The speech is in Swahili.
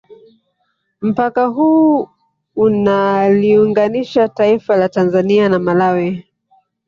Mpaka huu unaliunganisha taifa la Tanzania na Malawi